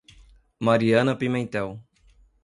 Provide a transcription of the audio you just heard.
Mariana Pimentel